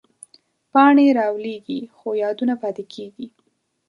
پاڼې رالوېږي، خو یادونه پاتې کېږي